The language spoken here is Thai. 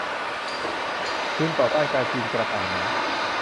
"คุณต่อต้านการกินกระต่ายไหม ?"